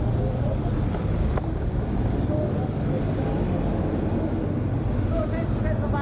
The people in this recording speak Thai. สวัสดีครับ